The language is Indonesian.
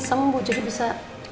sembuh jadi bisa